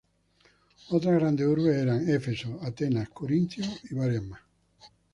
Otras grandes urbes eran Éfeso, Atenas, Corintio y varias más.